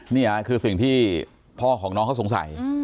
นี่คือสิ่งที่พ่อของน้องเขาสงสัย